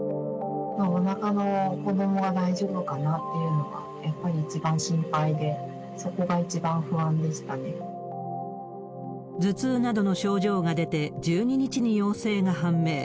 おなかの子どもは大丈夫かなっていうのは、やっぱり一番心配で、頭痛などの症状が出て、１２日に陽性が判明。